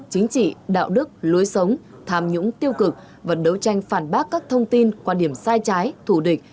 chính trị đạo đức lối sống tham nhũng tiêu cực và đấu tranh phản bác các thông tin quan điểm sai trái thù địch